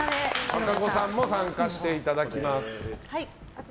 和歌子さんも参加していただきます。